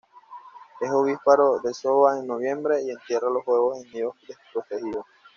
Es ovíparo, desova en noviembre y entierra los huevos en nidos desprotegidos.